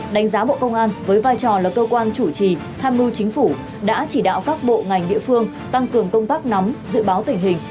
đánh giá bộ công an với vai trò là cơ quan chủ trì tham mưu chính phủ đã chỉ đạo các bộ ngành địa phương tăng cường công tác nắm dự báo tình hình